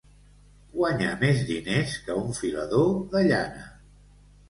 Guanyar més diners que un filador de llana.